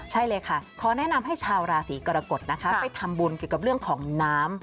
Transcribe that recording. ใช่เลยค่ะขอแนะนำให้ชาวราศีกรกฎนะคะไปทำบุญเกี่ยวกับเรื่องของน้ำ